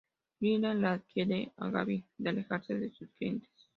Lilah le advierte a Gavin de alejarse de sus clientes.